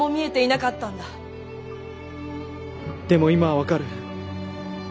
でも今は分かる。